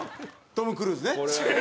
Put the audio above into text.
トム・クルーズね。